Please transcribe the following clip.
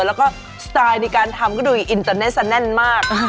แล้วก็สไตล์ในการทำก็ดูอินเตอร์เนสแน่นมาก